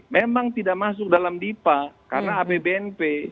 memang tidak masuk dalam dipa karena apbnp